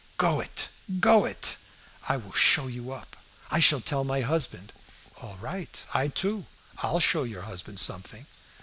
go it! go it!" "I will show you up. I shall tell my husband." "All right! I too. I'll show your husband something."